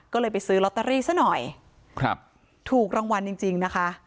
ก็เลยไปซื้อลอตเตอรี่ซะหน่อยครับถูกรางวัลจริงจริงนะคะ